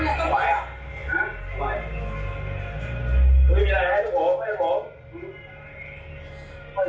อ๋อตรงนี้มันมีสาย